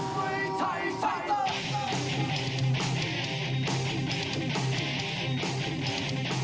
เพชรมังกรกรกรกรกรกรกรกรกรกรกรกรกร